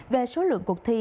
về số lượng cuộc thi